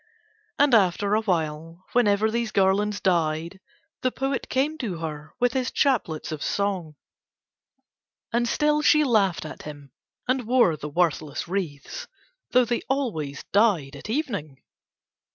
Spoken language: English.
And after a while whenever these garlands died the poet came to her with his chaplets of song; and still she laughed at him and wore the worthless wreaths, though they always died at evening.